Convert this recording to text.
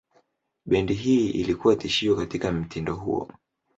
Bendi hii ilikuwa tishio katika mtindo huo.